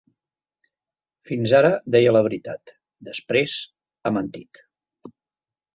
Fins ara deia la veritat; després, ha mentit.